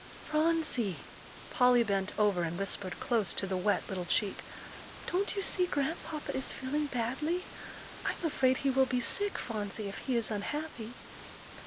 "Phronsie," Polly bent over and whispered close to the wet little cheek, "don't you see Grandpapa is feeling badly? I'm afraid he will be sick, Phronsie, if he is unhappy."